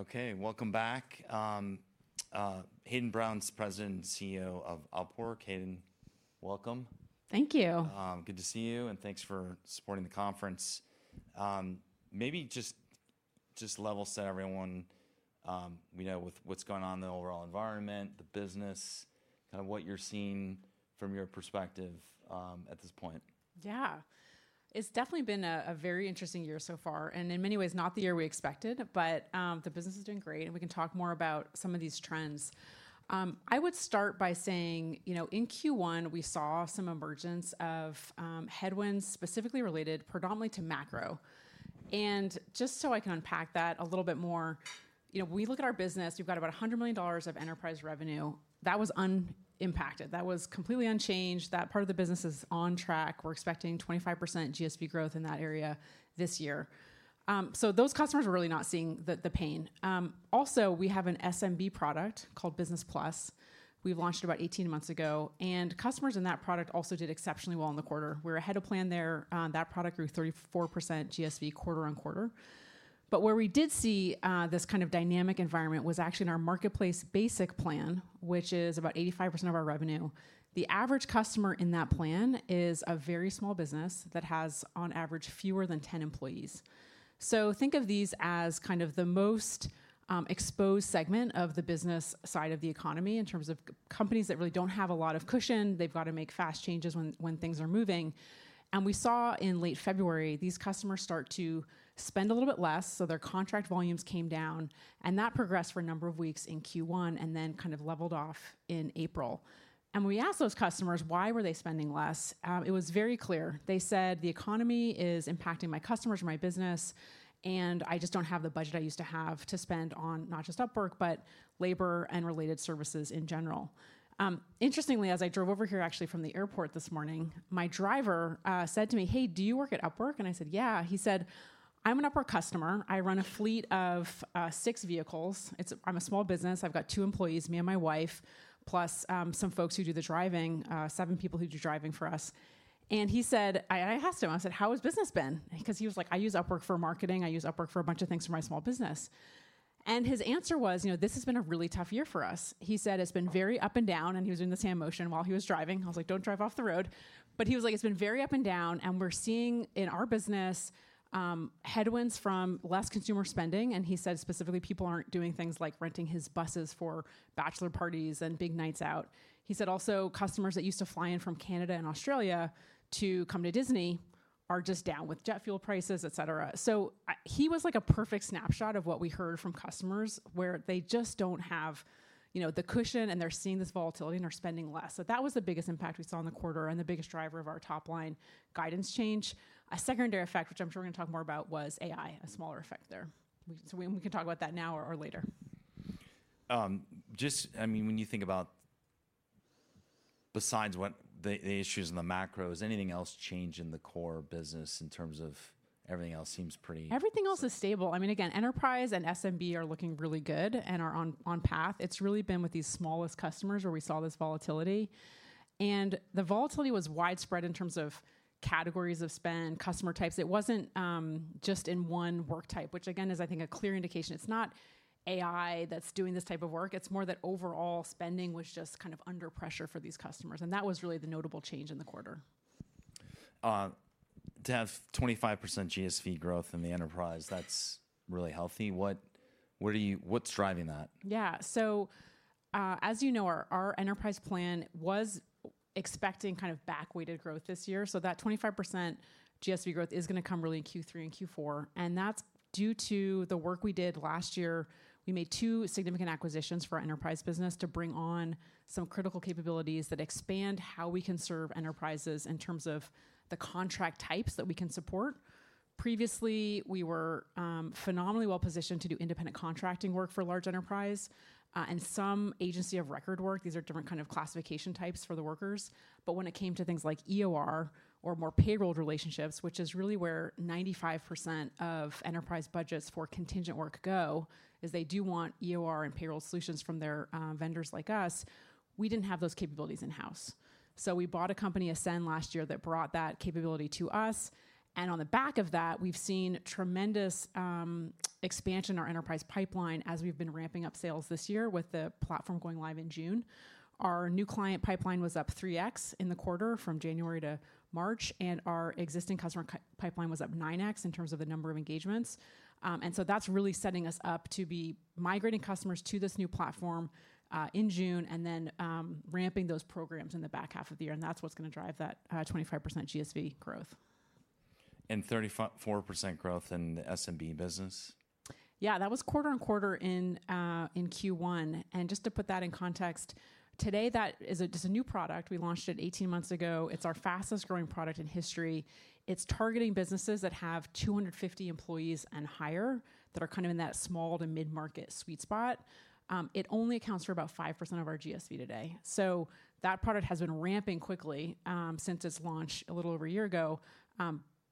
Okay, welcome back. Hayden Brown is President and CEO of Upwork. Hayden, welcome. Thank you. Good to see you, and thanks for supporting the conference. Maybe just level set everyone with what's going on in the overall environment, the business, what you're seeing from your perspective at this point. Yeah. It's definitely been a very interesting year so far, and in many ways not the year we expected, but the business is doing great, and we can talk more about some of these trends. I would start by saying, in Q1, we saw some emergence of headwinds, specifically related predominantly to macro. Just so I can unpack that a little bit more, we look at our business, we've got about $100 million of enterprise revenue. That was unimpacted. That was completely unchanged. That part of the business is on track. We're expecting 25% GSV growth in that area this year. Those customers were really not seeing the pain. Also, we have an SMB product called Business Plus. We launched it about 18 months ago, and customers in that product also did exceptionally well in the quarter. We're ahead of plan there. That product grew 34% GSV quarter-on-quarter. Where we did see this kind of dynamic environment was actually in our Marketplace Basic plan, which is about 85% of our revenue. The average customer in that plan is a very small business that has on average fewer than 10 employees. Think of these as the most exposed segment of the business side of the economy in terms of companies that really don't have a lot of cushion. They've got to make fast changes when things are moving. We saw in late February, these customers start to spend a little bit less, so their contract volumes came down, and that progressed for a number of weeks in Q1, and then leveled off in April. When we asked those customers why were they spending less, it was very clear. They said, "The economy is impacting my customers and my business, and I just don't have the budget I used to have to spend on not just Upwork, but labor and related services in general." Interestingly, as I drove over here actually from the airport this morning, my driver said to me, "Hey, do you work at Upwork?" I said, "Yeah." He said, "I'm an Upwork customer. I run a fleet of six vehicles. I'm a small business. I've got two employees, me and my wife, plus some folks who do the driving, seven people who do driving for us." I asked him, I said, "How has business been?" Because he was like, "I use Upwork for marketing. I use Upwork for a bunch of things for my small business." His answer was, "This has been a really tough year for us." He said, "It's been very up and down," and he was doing this hand motion while he was driving. I was like, "Don't drive off the road." He was like, "It's been very up and down, and we're seeing in our business headwinds from less consumer spending." He said, specifically, people aren't doing things like renting his buses for bachelor parties and big nights out. He said also customers that used to fly in from Canada and Australia to come to Disney are just down with jet fuel prices, et cetera. He was like a perfect snapshot of what we heard from customers, where they just don't have the cushion, and they're seeing this volatility, and they're spending less. That was the biggest impact we saw in the quarter and the biggest driver of our top-line guidance change. A secondary effect, which I'm sure we're going to talk more about, was AI, a smaller effect there. We can talk about that now or later. When you think about besides what the issues and the macros, anything else change in the core business in terms of everything else seems pretty-? Everything else is stable. Again, enterprise and SMB are looking really good and are on path. It's really been with these smallest customers where we saw this volatility, the volatility was widespread in terms of categories of spend, customer types. It wasn't just in one work type, which again, is I think a clear indication it's not AI that's doing this type of work. It's more that overall spending was just under pressure for these customers, that was really the notable change in the quarter. To have 25% GSV growth in the enterprise, that's really healthy. What's driving that? Yeah. As you know, our enterprise plan was expecting back-weighted growth this year, so that 25% GSV growth is going to come really in Q3 and Q4, and that's due to the work we did last year. We made two significant acquisitions for our enterprise business to bring on some critical capabilities that expand how we can serve enterprises in terms of the contract types that we can support. Previously, we were phenomenally well-positioned to do independent contracting work for large enterprise, and some agency of record work. These are different kind of classification types for the workers. When it came to things like EOR or more payroll relationships, which is really where 95% of enterprise budgets for contingent work go, is they do want EOR and payroll solutions from their vendors like us. We didn't have those capabilities in-house. We bought a company, Ascen, last year that brought that capability to us, and on the back of that, we've seen tremendous expansion in our enterprise pipeline as we've been ramping up sales this year with the platform going live in June. Our new client pipeline was up 3x in the quarter from January to March, and our existing customer pipeline was up 9x in terms of the number of engagements. That's really setting us up to be migrating customers to this new platform in June and then ramping those programs in the back half of the year, and that's what's going to drive that 25% GSV growth. 34% growth in the SMB business? Yeah. That was quarter-on-quarter in Q1. Just to put that in context, today that is a new product. We launched it 18 months ago. It's our fastest-growing product in history. It's targeting businesses that have 250 employees and higher that are in that small to mid-market sweet spot. It only accounts for about 5% of our GSV today. That product has been ramping quickly since its launch a little over a year ago,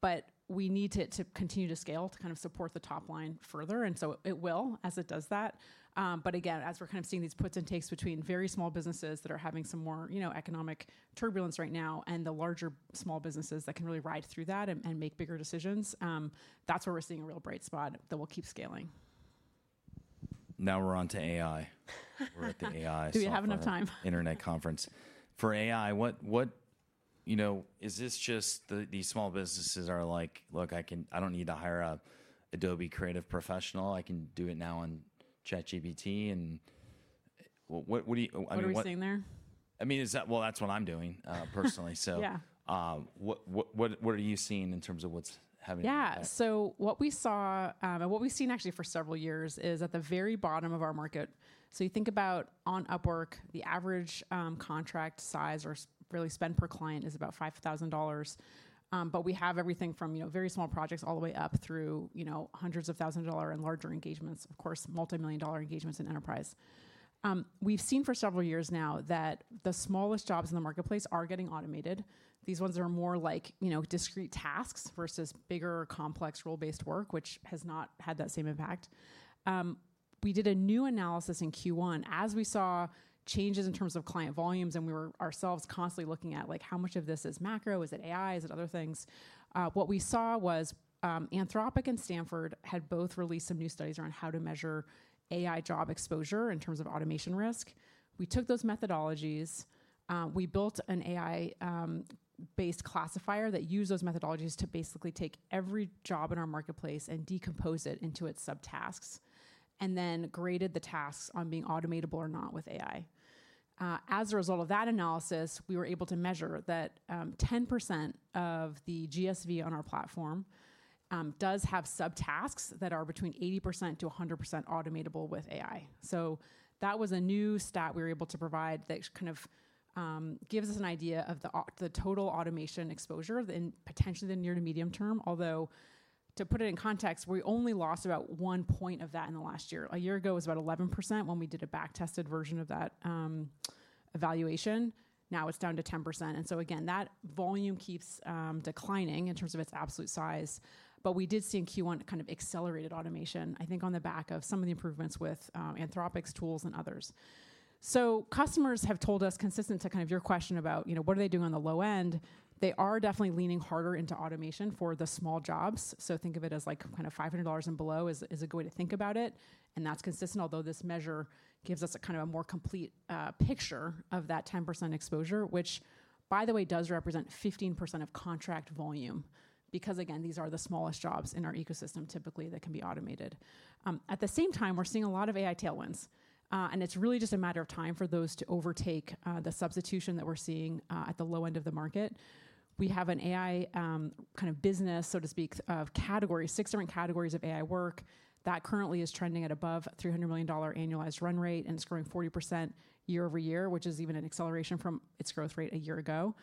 but we need it to continue to scale to support the top line further. It will, as it does that. Again, as we're seeing these puts and takes between very small businesses that are having some more economic turbulence right now and the larger small businesses that can really ride through that and make bigger decisions, that's where we're seeing a real bright spot that will keep scaling. Now we're onto AI. Do we have enough time? Internet conference. For AI, is this just these small businesses are like, "Look, I don't need to hire a Adobe creative professional. I can do it now on ChatGPT"? What are we seeing there? Well, that's what I'm doing, personally. Yeah. What are you seeing in terms of what's having an impact? Yeah. What we've seen actually for several years is at the very bottom of our market, you think about on Upwork, the average contract size or really spend per client is about $5,000. We have everything from very small projects all the way up through hundreds of thousand dollar and larger engagements, of course, multimillion-dollar engagements in enterprise. We've seen for several years now that the smallest jobs in the marketplace are getting automated. These ones are more like discrete tasks versus bigger, complex role-based work, which has not had that same impact. We did a new analysis in Q1 as we saw changes in terms of client volumes, and we were ourselves constantly looking at how much of this is macro, is it AI, is it other things? What we saw was Anthropic and Stanford had both released some new studies around how to measure AI job exposure in terms of automation risk. We took those methodologies, we built an AI-based classifier that used those methodologies to basically take every job in our marketplace and decompose it into its subtasks, and then graded the tasks on being automatable or not with AI. As a result of that analysis, we were able to measure that 10% of the GSV on our platform does have subtasks that are between 80%-100% automatable with AI. That was a new stat we were able to provide that gives us an idea of the total automation exposure in potentially the near to medium term. Although, to put it in context, we only lost about one point of that in the last year. A year ago, it was about 11% when we did a back-tested version of that evaluation. Now it's down to 10%. Again, that volume keeps declining in terms of its absolute size. We did see in Q1 accelerated automation, I think, on the back of some of the improvements with Anthropic's tools and others. Customers have told us, consistent to your question about what are they doing on the low end, they are definitely leaning harder into automation for the small jobs. Think of it as $500 and below is a good way to think about it, and that's consistent, although this measure gives us a more complete picture of that 10% exposure. Which, by the way, does represent 15% of contract volume because, again, these are the smallest jobs in our ecosystem, typically, that can be automated. At the same time, we're seeing a lot of AI tailwinds. It's really just a matter of time for those to overtake the substitution that we're seeing at the low end of the market. We have an AI business, so to speak, of category, six different categories of AI work that currently is trending at above $300 million annualized run rate, and it's growing 40% year-over-year, which is even an acceleration from its growth rate a year ago.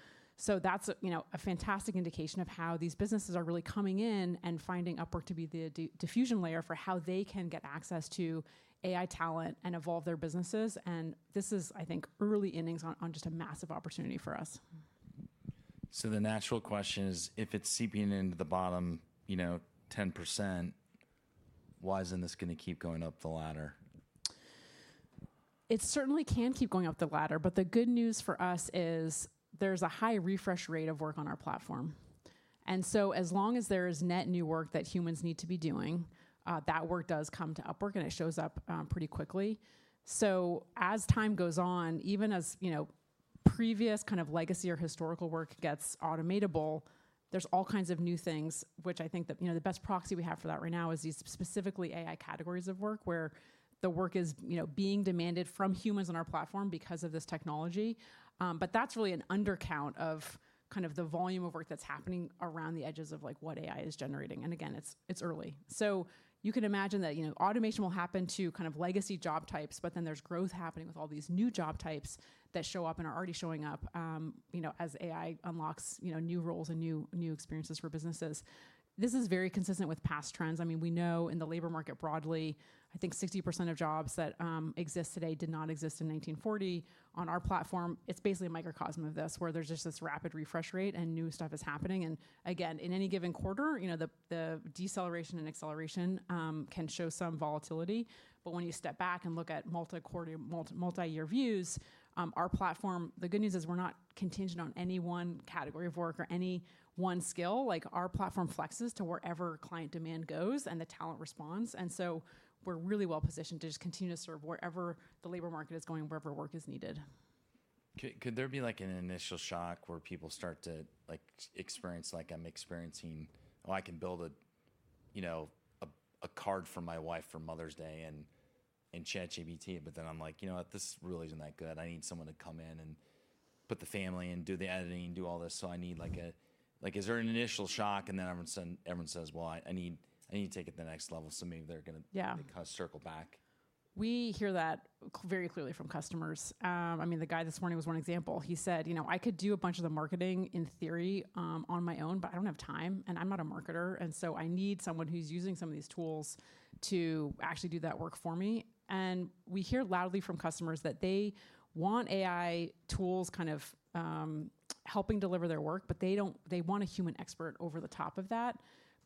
That's a fantastic indication of how these businesses are really coming in and finding Upwork to be the diffusion layer for how they can get access to AI talent and evolve their businesses. This is, I think, early innings on just a massive opportunity for us. The natural question is, if it's seeping into the bottom 10%, why isn't this going to keep going up the ladder? It certainly can keep going up the ladder, but the good news for us is there's a high refresh rate of work on our platform. As long as there is net new work that humans need to be doing, that work does come to Upwork, and it shows up pretty quickly. As time goes on, even as previous legacy or historical work gets automatable, there's all kinds of new things, which I think that the best proxy we have for that right now is these specifically AI categories of work, where the work is being demanded from humans on our platform because of this technology. That's really an undercount of the volume of work that's happening around the edges of what AI is generating. Again, it's early. You can imagine that automation will happen to legacy job types, there's growth happening with all these new job types that show up and are already showing up as AI unlocks new roles and new experiences for businesses. This is very consistent with past trends. We know in the labor market broadly, I think 60% of jobs that exist today did not exist in 1940. On our platform, it's basically a microcosm of this, where there's just this rapid refresh rate and new stuff is happening. Again, in any given quarter, the deceleration and acceleration can show some volatility. When you step back and look at multi-year views, our platform, the good news is we're not contingent on any one category of work or any one skill. Our platform flexes to wherever client demand goes and the talent responds. We're really well-positioned to just continue to serve wherever the labor market is going, wherever work is needed. Could there be an initial shock where people start to experience like I'm experiencing, oh, I can build a card for my wife for Mother's Day in ChatGPT, but then I'm like, "You know what? This really isn't that good. I need someone to come in and put the family in, do the editing, do all this." Is there an initial shock and then all of a sudden everyone says, "I need to take it to the next level," so maybe they're going to- Yeah circle back? We hear that very clearly from customers. The guy this morning was one example. He said, "I could do a bunch of the marketing in theory on my own, but I don't have time, and I'm not a marketer, and so I need someone who's using some of these tools to actually do that work for me." We hear loudly from customers that they want AI tools helping deliver their work, but they want a human expert over the top of that,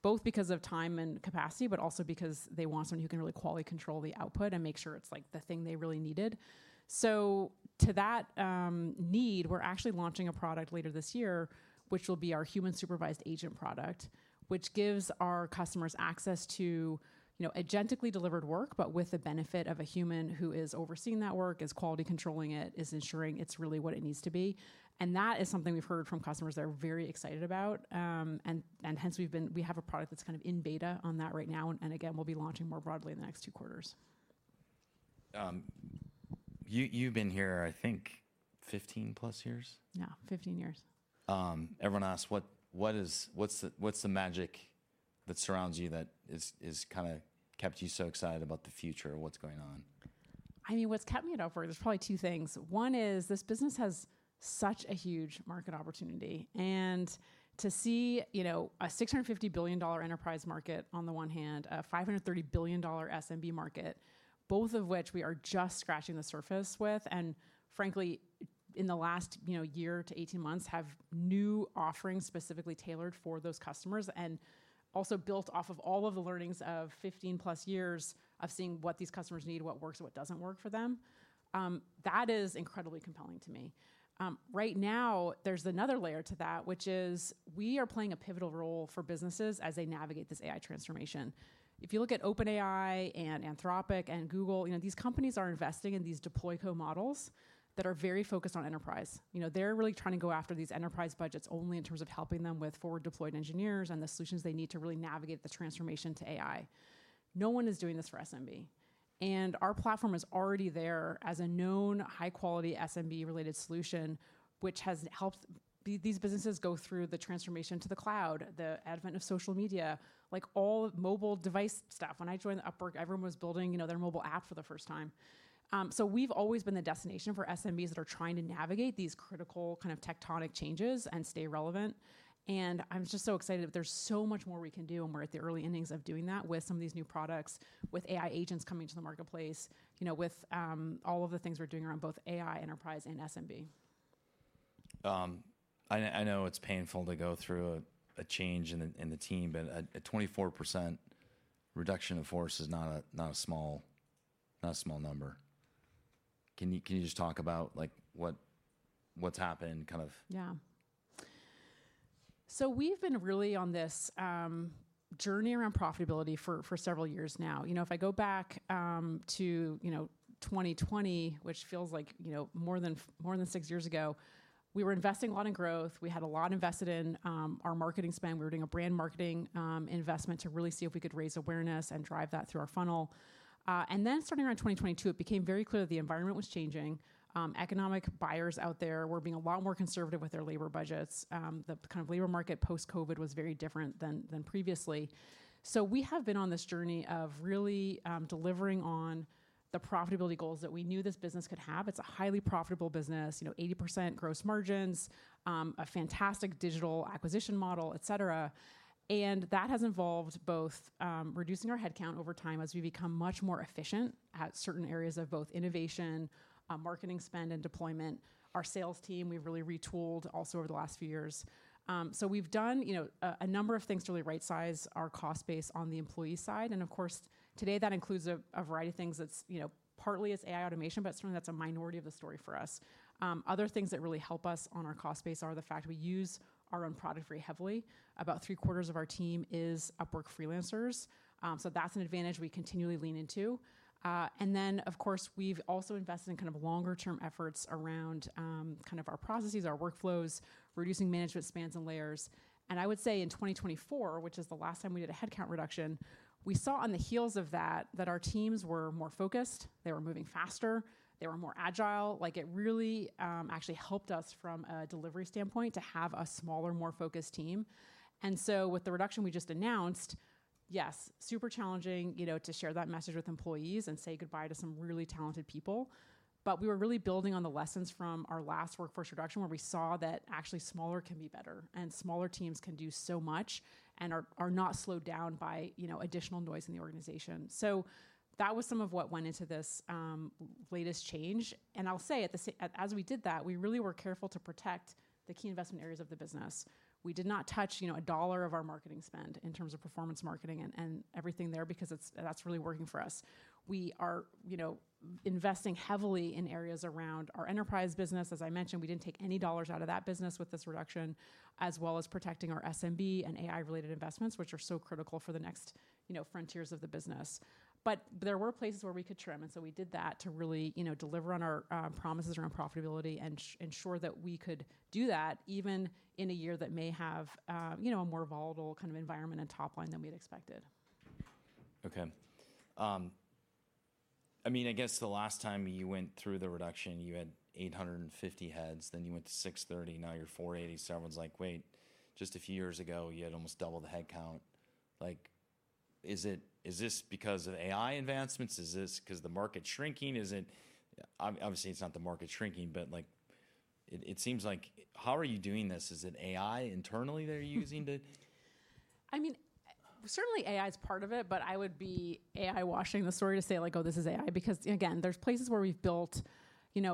both because of time and capacity, but also because they want someone who can really quality control the output and make sure it's the thing they really needed. To that need, we're actually launching a product later this year, which will be our human supervised agent product, which gives our customers access to agentically delivered work, but with the benefit of a human who is overseeing that work, is quality controlling it, is ensuring it's really what it needs to be. That is something we've heard from customers they're very excited about. Hence, we have a product that's in beta on that right now, and again, we'll be launching more broadly in the next two quarters. You've been here, I think, 15+ years? Yeah, 15 years. Everyone asks, what's the magic that surrounds you that has kept you so excited about the future of what's going on? What's kept me at Upwork, there's probably two things. One is this business has such a huge market opportunity. To see a $650 billion enterprise market on the one hand, a $530 billion SMB market, both of which we are just scratching the surface with. Frankly, in the last year to 18 months, have new offerings specifically tailored for those customers, and also built off of all of the learnings of 15+ years of seeing what these customers need, what works and what doesn't work for them. That is incredibly compelling to me. Right now, there's another layer to that, which is we are playing a pivotal role for businesses as they navigate this AI transformation. If you look at OpenAI and Anthropic and Google, these companies are investing in these deployed co-models that are very focused on enterprise. They're really trying to go after these enterprise budgets only in terms of helping them with forward-deployed engineers and the solutions they need to really navigate the transformation to AI. No one is doing this for SMB. Our platform is already there as a known high-quality SMB-related solution, which has helped these businesses go through the transformation to the cloud, the advent of social media, all mobile device stuff. When I joined Upwork, everyone was building their mobile app for the first time. We've always been the destination for SMBs that are trying to navigate these critical tectonic changes and stay relevant. I'm just so excited that there's so much more we can do. We're at the early innings of doing that with some of these new products, with AI agents coming to the marketplace, with all of the things we're doing around both AI enterprise and SMB. I know it's painful to go through a change in the team, a 24% reduction of force is not a small number. Can you just talk about what's happened? Yeah. We've been really on this journey around profitability for several years now. If I go back to 2020, which feels like more than six years ago, we were investing a lot in growth. We had a lot invested in our marketing spend. We were doing a brand marketing investment to really see if we could raise awareness and drive that through our funnel. Starting around 2022, it became very clear the environment was changing. Economic buyers out there were being a lot more conservative with their labor budgets. The labor market post-COVID was very different than previously. We have been on this journey of really delivering on the profitability goals that we knew this business could have. It's a highly profitable business, 80% gross margins, a fantastic digital acquisition model, et cetera. That has involved both reducing our headcount over time as we become much more efficient at certain areas of both innovation, marketing spend, and deployment. Our sales team, we've really retooled also over the last few years. We've done a number of things to really right-size our cost base on the employee side. Of course, today, that includes a variety of things that's partly is AI automation, but certainly that's a minority of the story for us. Other things that really help us on our cost base are the fact we use our own product very heavily. About 3/4 of our team is Upwork freelancers. That's an advantage we continually lean into. Of course, we've also invested in longer-term efforts around our processes, our workflows, reducing management spans and layers. I would say in 2024, which is the last time we did a headcount reduction, we saw on the heels of that our teams were more focused. They were moving faster. They were more agile. It really actually helped us from a delivery standpoint to have a smaller, more focused team. With the reduction we just announced, yes, super challenging to share that message with employees and say goodbye to some really talented people. We were really building on the lessons from our last workforce reduction, where we saw that actually smaller can be better, and smaller teams can do so much and are not slowed down by additional noise in the organization. That was some of what went into this latest change. I'll say, as we did that, we really were careful to protect the key investment areas of the business. We did not touch $1 of our marketing spend in terms of performance marketing and everything there, because that's really working for us. We are investing heavily in areas around our enterprise business. As I mentioned, we didn't take any dollars out of that business with this reduction, as well as protecting our SMB and AI-related investments, which are so critical for the next frontiers of the business. There were places where we could trim, and so we did that to really deliver on our promises around profitability and ensure that we could do that even in a year that may have a more volatile kind of environment and top line than we'd expected. Okay. I guess the last time you went through the reduction, you had 850 heads, then you went to 630. Now you're 480. Everyone's like, wait, just a few years ago, you had almost double the headcount. Is this because of AI advancements? Is this because the market's shrinking? Obviously, it's not the market shrinking, but how are you doing this? Is it AI internally that you're using? I mean, certainly AI is part of it, but I would be AI washing the story to say, "Oh, this is AI." Again, there's places where we've built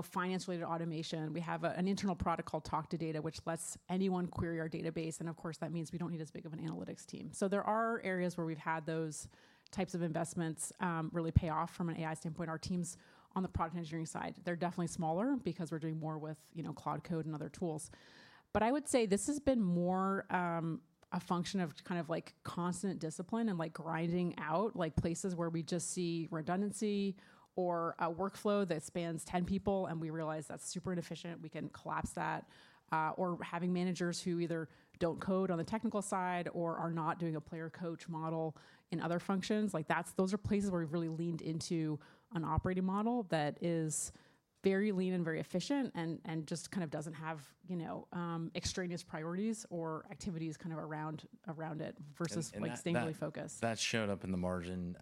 finance-related automation. We have an internal product called Talk to Data, which lets anyone query our database, and of course, that means we don't need as big of an analytics team. There are areas where we've had those types of investments really pay off from an AI standpoint. Our teams on the product engineering side, they're definitely smaller because we're doing more with Claude Code and other tools. I would say this has been more a function of like constant discipline and grinding out places where we just see redundancy or a workflow that spans 10 people, and we realize that's super inefficient, we can collapse that. Having managers who either don't code on the technical side or are not doing a player-coach model in other functions. Those are places where we've really leaned into an operating model that is very lean and very efficient and just doesn't have extraneous priorities or activities around it versus singularly focused. That showed up in the margin,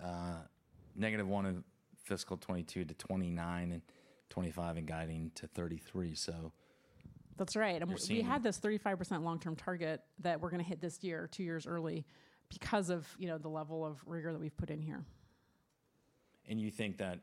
-1% in fiscal 2022 to 29% in 2025 and guiding to 33%, so. That's right. We had this 35% long-term target that we're going to hit this year, two years early because of the level of rigor that we've put in here. You think that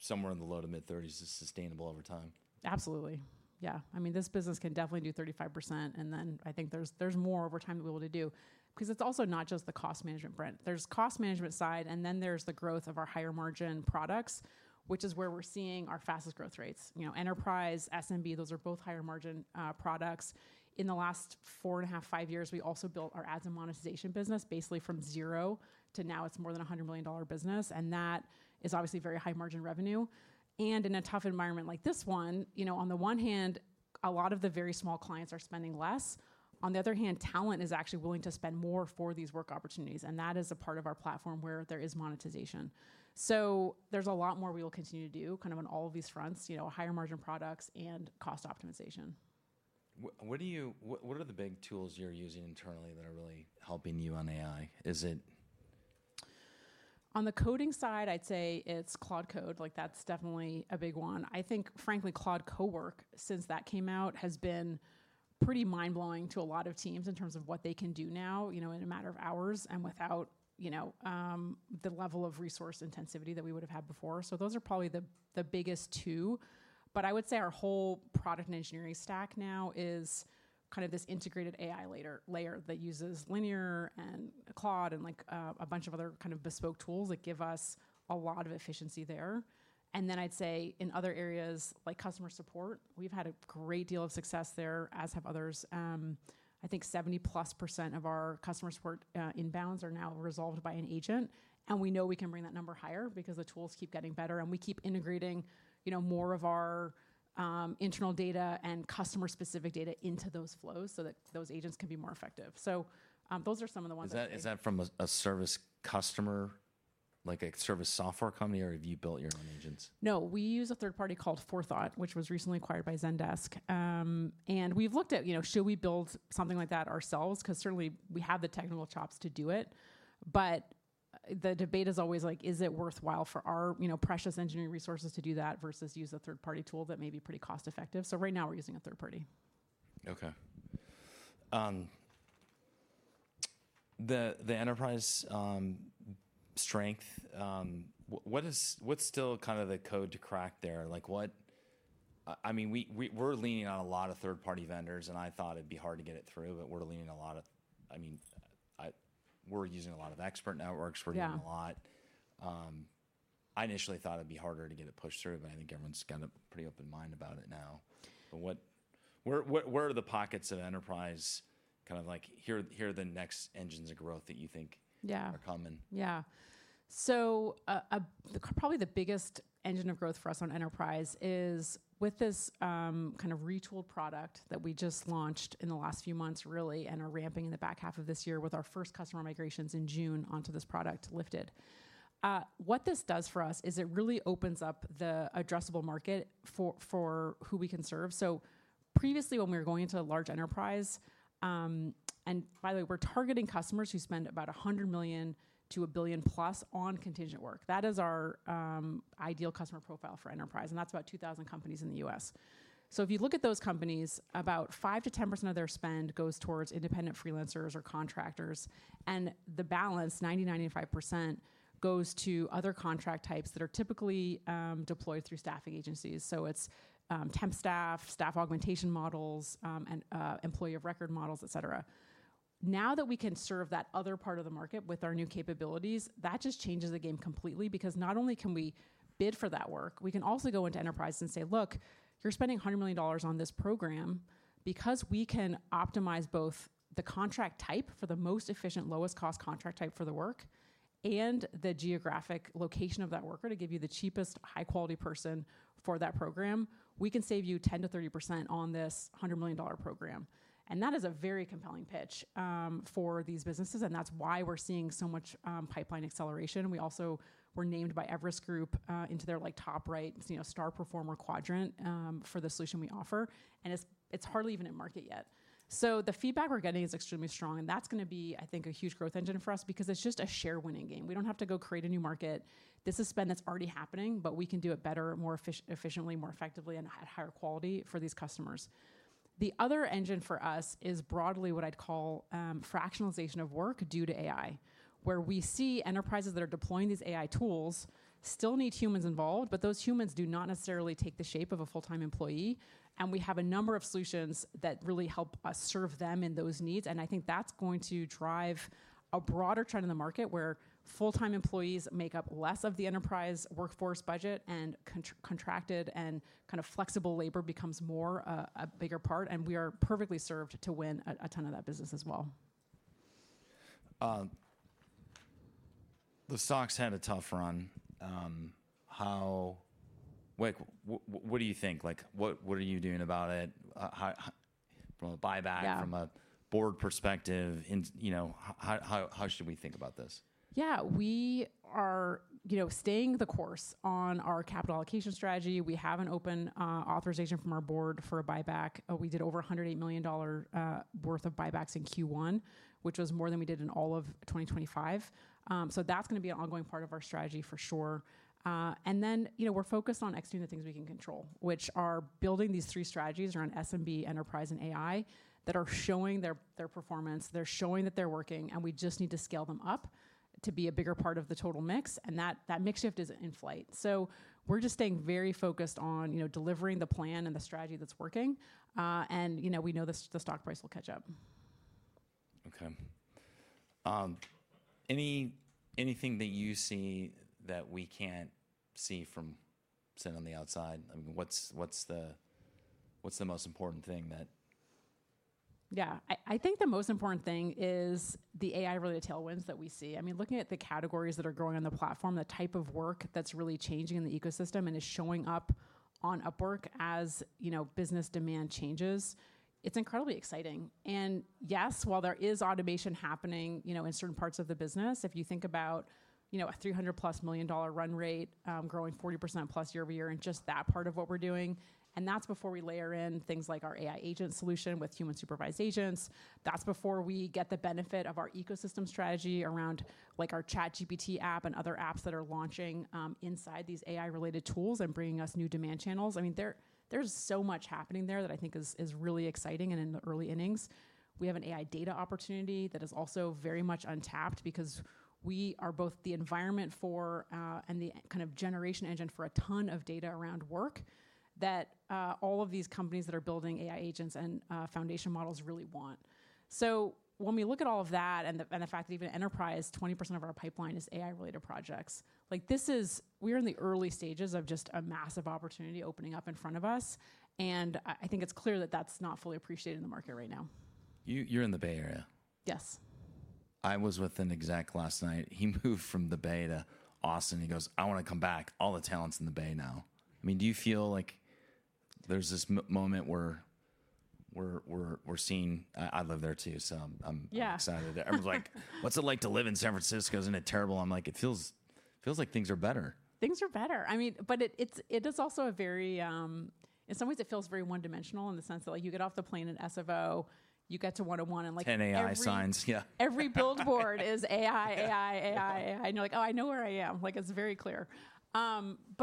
somewhere in the low to mid-30s is sustainable over time? Absolutely. Yeah. I mean, this business can definitely do 35%, then I think there's more over time that we're able to do. Because it's also not just the cost management front. There's cost management side, then there's the growth of our higher margin products, which is where we're seeing our fastest growth rates. Enterprise, SMB, those are both higher margin products. In the last 4.5, five years, we also built our ads and monetization business basically from zero to now it's more than $100 million business, and that is obviously very high margin revenue. In a tough environment like this one, on the one hand, a lot of the very small clients are spending less. On the other hand, talent is actually willing to spend more for these work opportunities, and that is a part of our platform where there is monetization. There's a lot more we will continue to do on all of these fronts, higher margin products and cost optimization. What are the big tools you're using internally that are really helping you on AI? Is it? On the coding side, I'd say it's Claude Code. That's definitely a big one. I think frankly, Claude Cowork, since that came out, has been pretty mind-blowing to a lot of teams in terms of what they can do now, in a matter of hours and without the level of resource intensity that we would've had before. Those are probably the biggest two. I would say our whole product and engineering stack now is this integrated AI layer that uses Linear and Claude and a bunch of other bespoke tools that give us a lot of efficiency there. Then I'd say in other areas, like customer support, we've had a great deal of success there, as have others. I think 70-plus% of our customer support inbounds are now resolved by an agent. We know we can bring that number higher because the tools keep getting better. We keep integrating more of our internal data and customer-specific data into those flows so that those agents can be more effective. Those are some of the ones I'd say. Is that from a service customer, like a service software company, or have you built your own agents? No, we use a third party called Forethought, which was recently acquired by Zendesk. We've looked at should we build something like that ourselves, because certainly we have the technical chops to do it. The debate is always, is it worthwhile for our precious engineering resources to do that versus use a third-party tool that may be pretty cost-effective? Right now we're using a third party. Okay. The enterprise strength, what's still the code to crack there? We're leaning on a lot of third-party vendors. I thought it'd be hard to get it through. We're using a lot of expert networks. Yeah. We're doing a lot. I initially thought it'd be harder to get it pushed through, but I think everyone's got a pretty open mind about it now. Where are the pockets of enterprise, like here are the next engines of growth that you think?- Yeah are coming? Probably the biggest engine of growth for us on enterprise is with this retooled product that we just launched in the last few months, really, and are ramping in the back half of this year with our first customer migrations in June onto this product, Lifted. What this does for us is it really opens up the addressable market for who we can serve. Previously, when we were going into a large enterprise, and by the way, we're targeting customers who spend about $100 million to a $1 billion+ on contingent work. That is our ideal customer profile for enterprise, and that's about 2,000 companies in the U.S. If you look at those companies, about 5%-10% of their spend goes towards independent freelancers or contractors, and the balance, 90%, 95%, goes to other contract types that are typically deployed through staffing agencies. It's temp staff augmentation models, and employee of record models, et cetera. Now that we can serve that other part of the market with our new capabilities, that just changes the game completely because not only can we bid for that work, we can also go into enterprise and say, "Look, you're spending $100 million on this program." Because we can optimize both the contract type for the most efficient, lowest cost contract type for the work and the geographic location of that worker to give you the cheapest, high-quality person for that program, we can save you 10%-30% on this $100 million program. That is a very compelling pitch for these businesses, and that's why we're seeing so much pipeline acceleration. We also were named by Everest Group into their top right star performer quadrant for the solution we offer. It's hardly even in market yet. The feedback we're getting is extremely strong, and that's going to be, I think, a huge growth engine for us because it's just a share winning game. We don't have to go create a new market. This is spend that's already happening. We can do it better, more efficiently, more effectively, and at higher quality for these customers. The other engine for us is broadly what I'd call fractionalization of work due to AI, where we see enterprises that are deploying these AI tools still need humans involved. Those humans do not necessarily take the shape of a full-time employee. We have a number of solutions that really help us serve them in those needs, and I think that's going to drive a broader trend in the market where full-time employees make up less of the enterprise workforce budget, and contracted and flexible labor becomes a bigger part, and we are perfectly served to win a ton of that business as well. The stocks had a tough run. What do you think? What are you doing about it from a buyback- Yeah From a board perspective, how should we think about this? Yeah. We are staying the course on our capital allocation strategy. We have an open authorization from our board for a buyback. We did over $108 million worth of buybacks in Q1, which was more than we did in all of 2025. That's going to be an ongoing part of our strategy for sure. We're focused on executing the things we can control, which are building these three strategies around SMB, enterprise, and AI that are showing their performance. They're showing that they're working, and we just need to scale them up to be a bigger part of the total mix, and that mix shift is in flight. We're just staying very focused on delivering the plan and the strategy that's working. We know the stock price will catch up. Okay. Anything that you see that we can't see from sitting on the outside? What's the most important thing that. Yeah. I think the most important thing is the AI-related tailwinds that we see. Looking at the categories that are growing on the platform, the type of work that's really changing in the ecosystem and is showing up on Upwork as business demand changes, it's incredibly exciting. Yes, while there is automation happening in certain parts of the business, if you think about a +$300 million run rate growing 40%+ year-over-year in just that part of what we're doing, and that's before we layer in things like our AI agent solution with human-supervised agents. That's before we get the benefit of our ecosystem strategy around our ChatGPT app and other apps that are launching inside these AI-related tools and bringing us new demand channels. There's so much happening there that I think is really exciting and in the early innings. We have an AI data opportunity that is also very much untapped because we are both the environment for, and the generation engine for a ton of data around work that all of these companies that are building AI agents and foundation models really want. When we look at all of that and the fact that even enterprise, 20% of our pipeline is AI-related projects, we're in the early stages of just a massive opportunity opening up in front of us, and I think it's clear that that's not fully appreciated in the market right now. You're in the Bay Area. Yes. I was with an exec last night. He moved from the Bay to Austin. He goes, "I want to come back. All the talent's in the Bay now." Do you feel like there's this moment where we're seeing? I live there too, so I'm excited. Yeah. Everyone's like, "What's it like to live in San Francisco? Isn't it terrible?" I'm like, "It feels like things are better. Things are better. In some ways it feels very one-dimensional in the sense that you get off the plane in SFO, you get to 101. 10 AI signs. Yeah. Every billboard is AI, AI, and you're like, "Oh, I know where I am." It's very clear.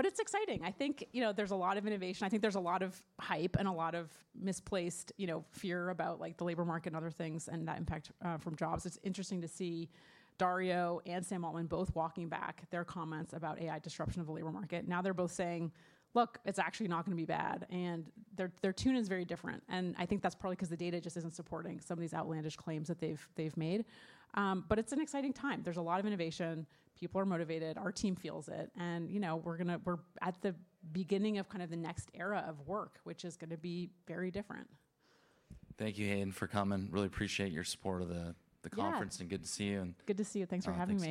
It's exciting. I think there's a lot of innovation. I think there's a lot of hype and a lot of misplaced fear about the labor market and other things, and that impact from jobs. It's interesting to see Dario and Sam Altman both walking back their comments about AI disruption of the labor market. Now they're both saying, "Look, it's actually not going to be bad." Their tune is very different, and I think that's probably because the data just isn't supporting some of these outlandish claims that they've made. It's an exciting time. There's a lot of innovation. People are motivated. Our team feels it, and we're at the beginning of the next era of work, which is going to be very different. Thank you, Hayden, for coming. Really appreciate your support of the conference. Yeah Good to see you. Good to see you. Thanks for having me.